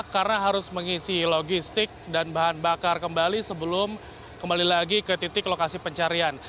karena harus mengisi logistik dan bahan bakar kembali sebelum kembali lagi ke titik lokasi pencarian